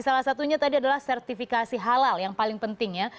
salah satunya tadi adalah sertifikasi halal yang paling penting ya